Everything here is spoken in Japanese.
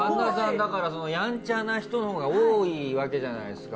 だからやんちゃな人のほうが多いわけじゃないですか。